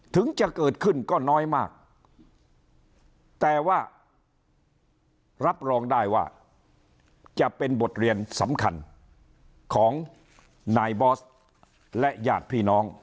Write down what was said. ถึงจะเกิดขึ้นก็น้อยมากแต่ว่ารับรองได้ว่าจะเป็นบทเรียนสำคัญของนายบอสและญาติพี่น้อง